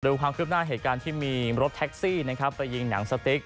ร่วมความคลิบหน้าเหตุการณ์ที่มีรถแท็กซี่ไปยิงหนังสติ๊ก